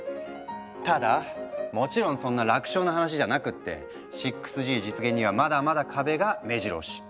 ただもちろんそんな楽勝な話じゃなくって６Ｇ実現にはまだまだ壁がめじろ押し。